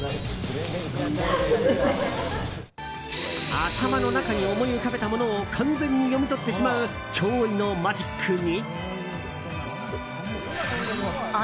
頭の中に思い浮かべたものを完全に読み取ってしまう驚異のマジックに。